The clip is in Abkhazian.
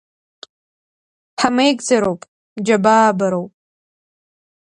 Хамеигӡароуп, џьабаа бароуп…